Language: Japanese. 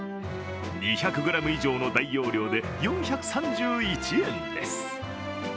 ２００ｇ以上の大容量で４３１円です。